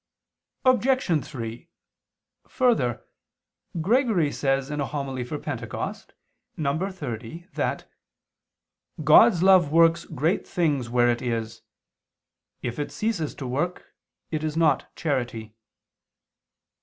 Obj. 3: Further, Gregory says in a homily for Pentecost (In Evang. xxx) that "God's love works great things where it is; if it ceases to work it is not charity."